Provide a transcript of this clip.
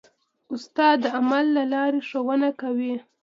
استاد د عمل له لارې ښوونه کوي.